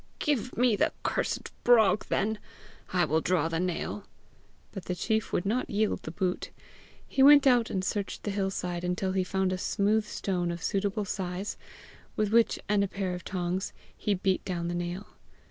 "Give me the cursed brog then. I will draw the nail." But the chief would not yield the boot; he went out and searched the hill side until he found a smooth stone of suitable size, with which and a pair of tongs, he beat down the nail.